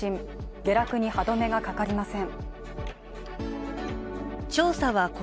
下落に歯止めがかかりません。